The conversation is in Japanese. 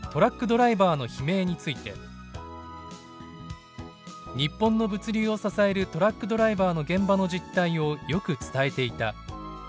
ドライバーの悲鳴」について「日本の物流を支えるトラックドライバーの現場の実態をよく伝えていた」